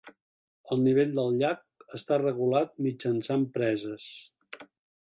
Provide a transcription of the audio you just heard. El nivell del llac està regulat mitjançant preses.